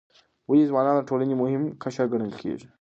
ولې ځوانان د ټولنې مهم قشر ګڼل کیږي؟